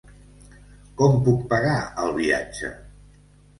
Com puc pagar el viatge?